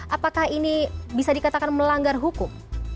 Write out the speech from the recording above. apakah ini bisa dikatakan melanggar hukum